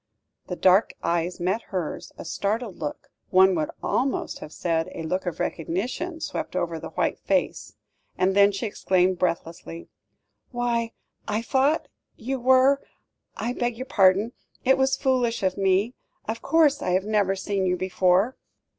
The dark eyes met hers, a startled look, one would almost have said a look of recognition swept over the white face, then she exclaimed breathlessly: "Why I thought you were I beg your pardon it was foolish of me of course, I have never seen you before."